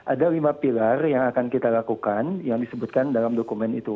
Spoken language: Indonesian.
ada lima pilar yang akan kita lakukan yang disebutkan dalam dokumen itu